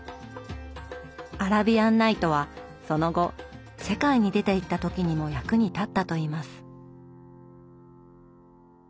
「アラビアン・ナイト」はその後世界に出ていった時にも役に立ったといいます。